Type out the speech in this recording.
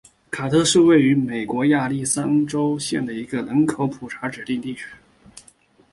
卡特是位于美国亚利桑那州希拉县的一个人口普查指定地区。